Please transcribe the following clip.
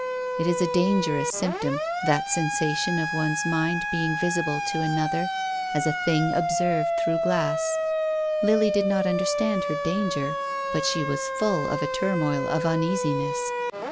It is a dangerous symptom that sensation of one's mind being visible to an other as a thing observed through glass. Lily did not understand her danger, but she was full of a turmoil of uneasiness.